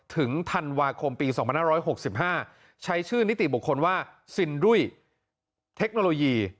ถึงธันวาคมปี๒๕๖๕ใช้ชื่อนิติบุคคลว่าซินดุ้ยเทคโนโลยี